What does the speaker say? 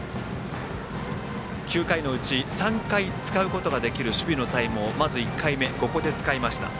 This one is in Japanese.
９回のうち３回使うことができる守備のタイムをまず１回目、ここで使いました。